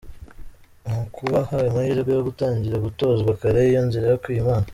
Ni ukubaha amahirwe yo gutangira gutozwa kare iyo nzira yo kwiha Imana.